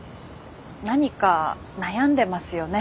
何か悩んでますよね